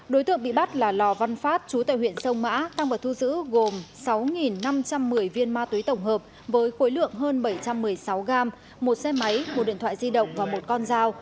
đối tượng bị bắt là lò văn phát chú tại huyện sông mã tăng vật thu giữ gồm sáu năm trăm một mươi viên ma túy tổng hợp với khối lượng hơn bảy trăm một mươi sáu gram một xe máy một điện thoại di động và một con dao